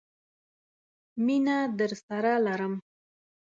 مينه درسره لرم.